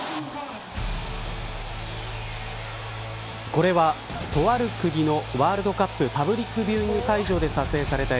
これは、とある国のワールドカップパブリックビューイング会場で撮影された。